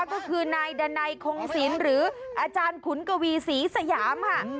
ก็คือนายดันัยคงศิลป์หรืออาจารย์ขุนกวีศรีสยามค่ะ